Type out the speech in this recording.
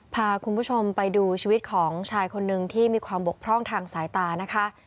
พาคุณผู้ชมไปดูชีวิตของชายคนนึงที่มีความบกพร่องทางสายตานะคะ